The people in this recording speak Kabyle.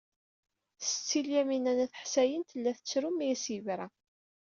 Setti Lyamina n At Ḥsayen tella tettru mi as-yebra.